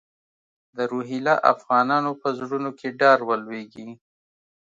د روهیله افغانانو په زړونو کې ډار ولوېږي.